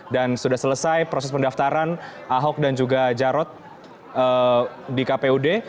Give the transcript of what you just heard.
dan sudah selesai proses pendaftaran ahok dan juga jarod di kpud